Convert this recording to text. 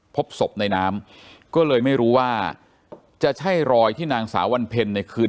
พบศพในน้ำก็เลยไม่รู้ว่าจะใช่รอยที่นางสาววันเพ็ญในคืน